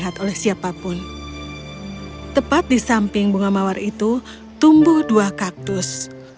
tepat di samping bunga mawar itu tumbuh dua kaktus